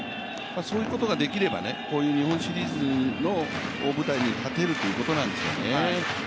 そういうことができればこういう日本シリーズの舞台に立てるってことなんですね。